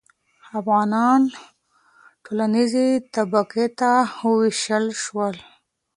افغانان ټولنیزې طبقې ته وویشل شول.